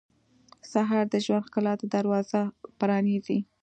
سهار د ژوند ښکلا ته دروازه پرانیزي.